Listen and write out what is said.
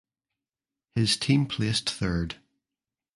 His team placed third.